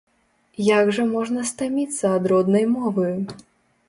Як жа можна стаміцца ад роднай мовы?